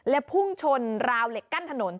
และพุ่งชนราวเหล็กกั้นถนน